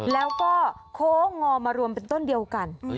แล้วก็โค้งงอมารวมเป็นต้นเดียวกัน